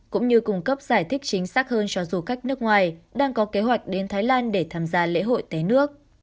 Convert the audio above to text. cũng như cung cấp giải thích chính xác hơn cho du khách nước ngoài đang có kế hoạch đến thái lan để tham gia lễ hội té nước